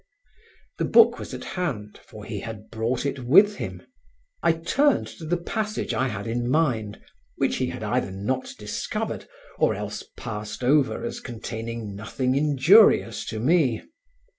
The book was at hand, for he had brought it with him. I turned to the passage I had in mind, which he had either not discovered or else passed over as containing nothing injurious to me.